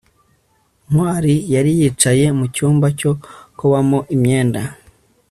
ntwali yari yicaye mucyumba cyo kubamo imyenda